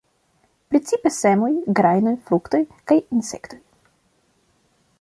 Precipe semoj, grajnoj, fruktoj kaj insektoj.